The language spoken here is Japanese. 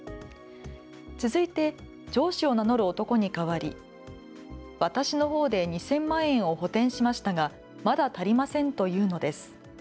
続いて、上司を名乗る男に替わり私のほうで２０００万円を補填しましたがまだ、足りませんと言うのです。